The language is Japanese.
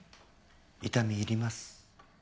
痛み入ります。